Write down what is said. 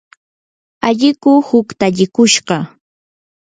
alliku hutsallikushqa.